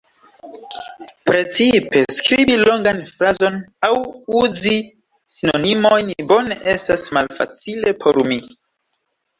Precipe skribi longan frazon aŭ uzi sinonimojn bone estas malfacile por mi.